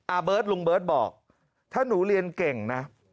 เบิร์ตลุงเบิร์ตบอกถ้าหนูเรียนเก่งนะ